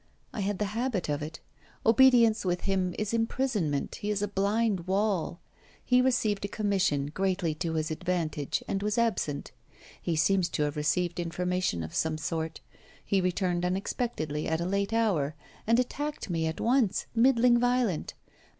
I had the habit of it. Obedience with him is imprisonment he is a blind wall. He received a commission, greatly to his advantage, and was absent. He seems to have received information of some sort. He returned unexpectedly, at a late hour, and attacked me at once, middling violent.